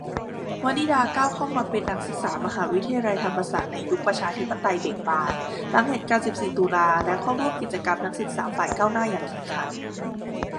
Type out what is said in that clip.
วนิดาก้าวเข้ามาเป็นนักศึกษามหาวิทยาลัยธรรมศาสตร์ในยุคประชาธิปไตยเบ่งบาน หลังเหตุการณ์ สิบสี่ ตุลา และเข้าร่วมกิจกรรม นักศึกษาฝ่ายก้าวหน้าอย่างแข็งขัน